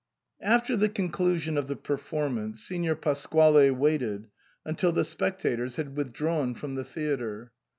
After the conclusion of the performance, Signor Pas quale waited until the spectators had withdrawn from the theatre.